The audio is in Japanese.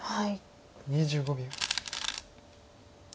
２５秒。